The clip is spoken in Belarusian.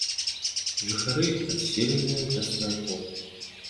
Жыхары адселеныя да сваякоў.